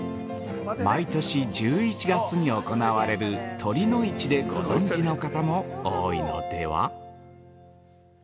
毎年１１月に行われる酉の市でご存知の方も多いのでは？